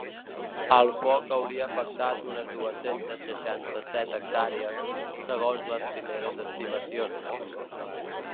El foc hauria afectat unes dues-centes seixanta-set hectàrees, segons les primeres estimacions.